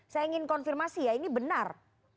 saya ingin konfirmasi ya ini benar